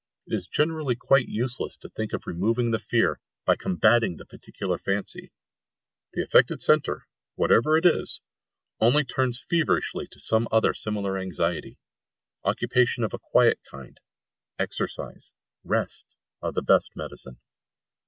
It is generally quite useless to think of removing the fear by combating the particular fancy; the affected centre, whatever it is, only turns feverishly to some other similar anxiety. Occupation of a quiet kind, exercise, rest, are the best medicine.